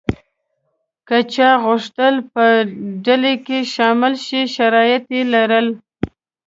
که چا غوښتل په ډله کې شامل شي شرایط یې لرل.